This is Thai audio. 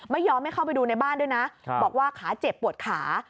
ไม่ยอมให้เข้าไปดูในบ้านด้วยนะบอกว่าขาเจ็บปวดขา